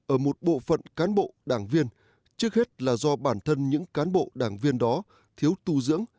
ở một bộ phận cán bộ đảng viên trước hết là do bản thân những cán bộ đảng viên đó thiếu tu dưỡng